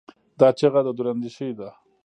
دا چیغه د دوراندیشۍ ده.